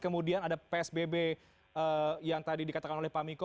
kemudian ada psbb yang tadi dikatakan oleh pak miko